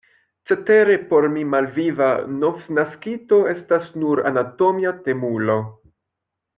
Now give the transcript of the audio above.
Cetere por mi malviva novnaskito estas nur anatomia temulo.